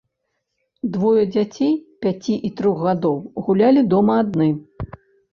Двое дзяцей пяці і трох гадоў гулялі дома адны.